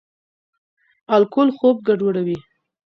الکول خوب ګډوډوي.